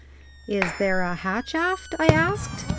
"Is there a hatch aft?" I asked.